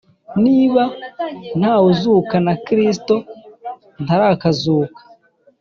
Niba nta wuzuka na Kristo ntarakazuka